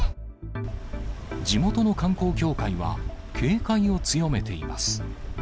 地元の観光協会は、警戒を強めています。